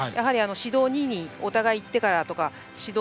指導２にお互い行ってからとか指導